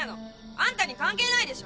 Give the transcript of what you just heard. あんたに関係ないでしょ！